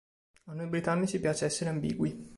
A noi britannici piace essere ambigui”.